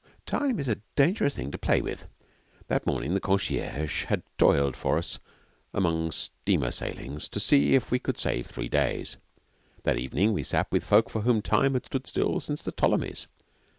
Time is a dangerous thing to play with. That morning the concierge had toiled for us among steamer sailings to see if we could save three days. That evening we sat with folk for whom Time had stood still since the Ptolemies.